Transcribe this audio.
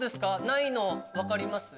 ないの分かります？